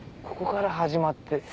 ここから始まって。